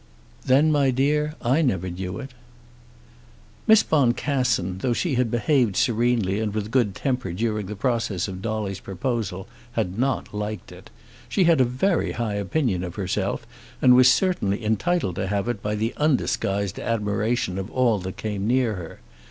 "Then, my dear, I never knew it." Miss Boncassen, though she had behaved serenely and with good temper during the process of Dolly's proposal, had not liked it. She had a very high opinion of herself, and was certainly entitled to have it by the undisguised admiration of all that came near her.